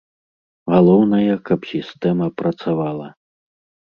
Галоўнае, каб сістэма працавала.